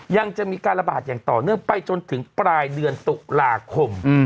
ยังจะมีการระบาดอย่างต่อเนื่องไปจนถึงปลายเดือนตุลาคม